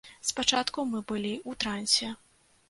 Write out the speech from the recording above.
Спачатку мы былі ў трансе.